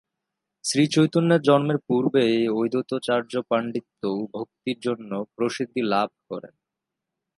শ্রীচৈতন্যের জন্মের পূর্বেই অদ্বৈতাচার্য পান্ডিত্য ও ভক্তির জন্য প্রসিদ্ধি লাভ করেন।